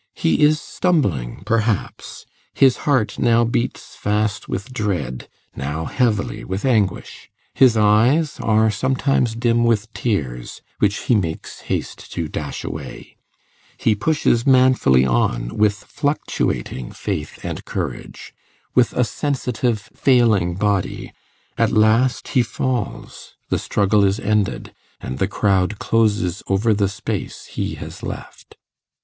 He is stumbling, perhaps; his heart now beats fast with dread, now heavily with anguish; his eyes are sometimes dim with tears, which he makes haste to dash away; he pushes manfully on, with fluctuating faith and courage, with a sensitive failing body; at last he falls, the struggle is ended, and the crowd closes over the space he has left.